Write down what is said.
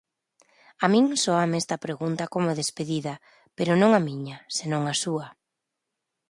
A min sóame esta pregunta como despedida, pero non a miña, senón a súa.